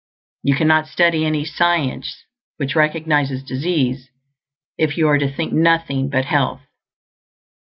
You cannot study any "science" which recognizes disease, if you are to think nothing but health.